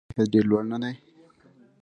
آیا د غنمو کیفیت ډیر لوړ نه دی؟